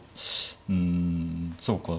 うんそうか。